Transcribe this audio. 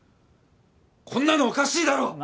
こんなのおかしいだろ！